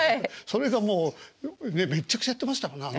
それがもうめっちゃくちゃやってましたもんね